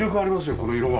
この色は。